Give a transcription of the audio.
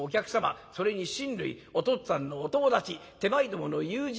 それに親類お父っつぁんのお友達手前どもの友人